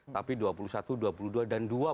tapi dua puluh satu dua puluh dua dan dua puluh satu